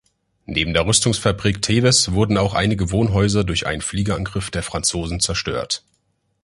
Neben der Rüstungsfabrik Teves wurden auch einige Wohnhäuser durch einen Fliegerangriff der Franzosen zerstört.